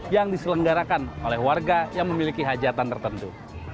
yang diselenggarakan oleh warga yang memiliki hajatan tertentu